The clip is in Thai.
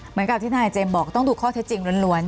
เหมือนกับที่ทนายเจมส์บอกต้องดูข้อเท็จจริงล้วน